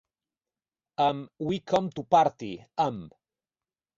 Amb "We Come To Party" amb.